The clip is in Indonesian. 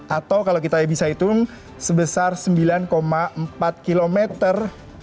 atau kalau kita bisa hitung sebesar sembilan empat kilometer